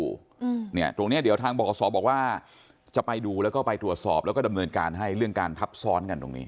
อืมเนี่ยตรงเนี้ยเดี๋ยวทางบกษอบอกว่าจะไปดูแล้วก็ไปตรวจสอบแล้วก็ดำเนินการให้เรื่องการทับซ้อนกันตรงนี้